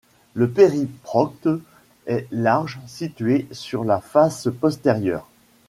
Le périprocte est large, situé sur la face postérieure.